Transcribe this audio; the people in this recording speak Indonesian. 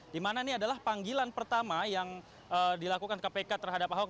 di mana ini adalah panggilan pertama yang dilakukan kpk terhadap ahok